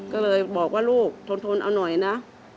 ก็เลยบอกว่าลูกทนเอาหน่อยนะ